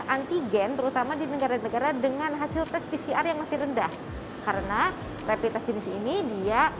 antigen terutama di negara negara dengan hasil tes pcr yang masih rendah karena rapid test jenis ini dia